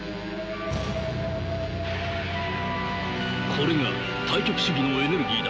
これが対極主義のエネルギーだ。